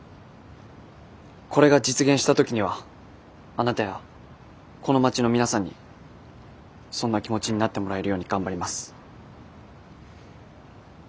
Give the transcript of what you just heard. これが実現した時にはあなたやこの町の皆さんにそんな気持ちになってもらえるように頑張ります。